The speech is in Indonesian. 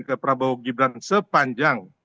ke prabowo gibran sepanjang